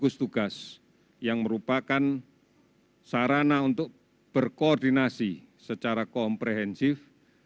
gugus tugas yang merupakan sarana untuk berkoordinasi secara komprehensif